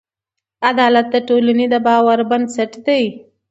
عدالت د ټولنې د باور بنسټ دی.